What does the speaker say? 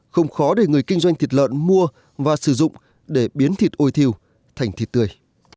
không khó để người kinh doanh thịt lợn mua và sử dụng để biến thịt ôi thiêu thành thịt tươi